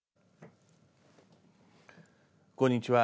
こんにちは。